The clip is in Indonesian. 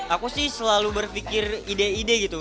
aku sih selalu berpikir ide ide gitu